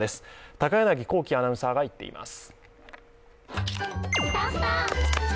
高柳光希アナウンサーが行っています。